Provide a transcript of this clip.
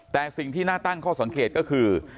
แต่สิ่งที่น่าตั้งข้อสังเกตก็คือ